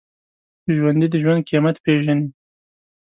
ژوندي د ژوند قېمت پېژني